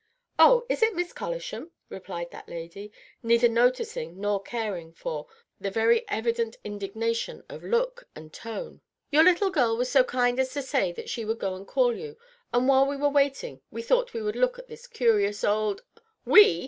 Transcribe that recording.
"Oh, is it Miss Collisham?" replied that lady, neither noticing nor caring for the very evident indignation of look and tone. "Your little girl was so kind as to say that she would go and call you; and while we were waiting we thought we would look at this curious old " "We!